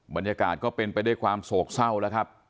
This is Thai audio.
บรรยากาศก็เป็นไปด้วยความโศกเศร้าแล้วครับ